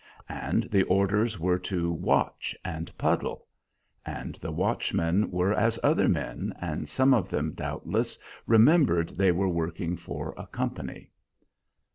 And the orders were to "watch" and "puddle;" and the watchmen were as other men, and some of them doubtless remembered they were working for a company.